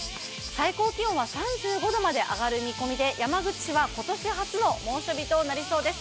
最高気温は３５度まで上がる見込みで山口市は今年初の猛暑日となりそうです。